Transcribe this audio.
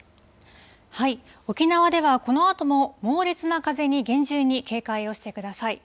沖縄ではこのあとも猛烈な風に厳重に警戒をしてください。